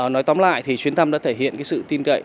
nói tóm lại chuyến tâm đã thể hiện sự tin cậy